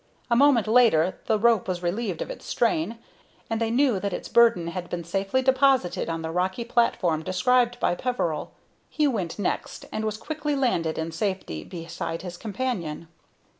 A moment later the rope was relieved of its strain, and they knew that its burden had been safely deposited on the rocky platform described by Peveril. He went next, and was quickly landed in safety beside his companion.